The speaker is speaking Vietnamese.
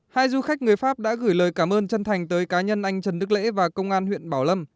hai du khách người pháp đã gửi lời cảm ơn chân thành tới cá nhân anh trần đức lễ và công an huyện bảo lâm